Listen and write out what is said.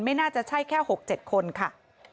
ไม่น่าจะใช่แค่๖๗คนค่ะ